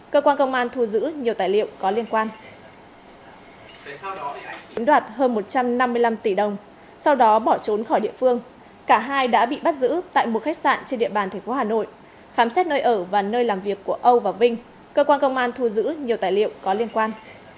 cơ quan công an thu giữ nhiều tài liệu có liên quan